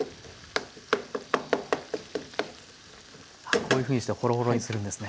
こういうふうにしてホロホロにするんですね。